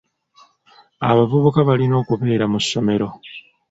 Abavubuka balina okubeera mu ssomero.